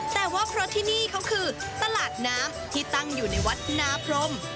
แต่ว่าเพราะที่นี่เขาคือตลาดน้ำที่ตั้งอยู่ในวัดนาพรม